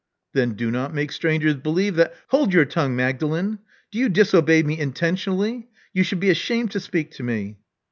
Then do not make strangers believe that " Hold your tongue, Magdalen. Do you disobey me intentionally? You should be ashamed to speak to me.